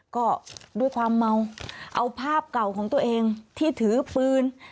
ก็ด้วยความเมาเอาภาพเก่าของตัวเองที่ถือปืน